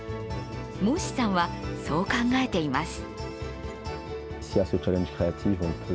モッシさんはそう考えています。